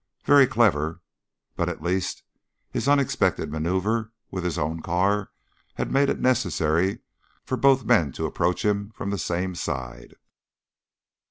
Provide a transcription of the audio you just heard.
Very clever! But, at least, his unexpected maneuver with his own car had made it necessary for both men to approach him from the same side.